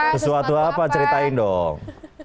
sesuatu apa ceritain dong